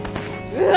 うわ！